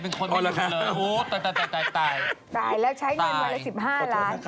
ตายแล้วใช้เงินเวลา๑๕ล้านบาทตายขอโทษนะครับ